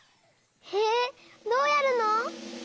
へえどうやるの？